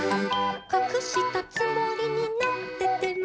「かくしたつもりになってても」